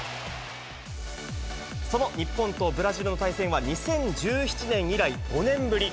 その日本とブラジルの対戦は２０１７年以来、５年ぶり。